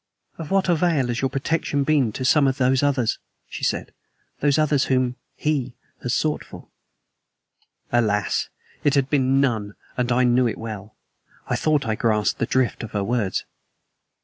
"Of what avail has your protection been to some of those others," she said; "those others whom HE has sought for?" Alas! it had been of none, and I knew it well. I thought I grasped the drift of her words.